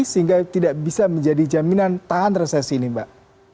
sehingga tidak bisa menjadi jaminan tahan resesi ini mbak